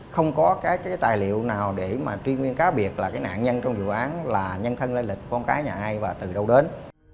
không có các tài liệu nào để tri nya cá biết là cái nạn nhân trong vụ án là nhân thân bây giờ sino là một con gái của nhà ai và từ đâu đến